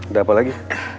udah apa lagi